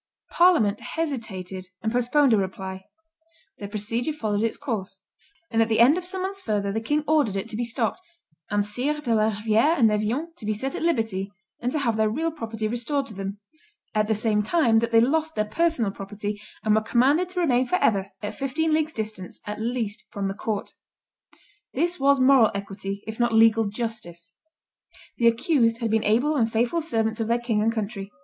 Parliament hesitated and postponed a reply; the procedure followed its course; and at the end of some months further the king ordered it to be stopped, and Sires de la Riviere and Neviant to be set at liberty and to have their real property restored to them, at the same time that they lost their personal property and were commanded to remain forever at fifteen leagues' distance, at least, from the court. This was moral equity, if not legal justice. The accused had been able and faithful servants of their king and country.